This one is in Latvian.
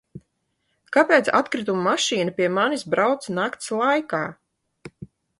Kāpēc atkritumu mašīna pie manis brauc nakts laikā?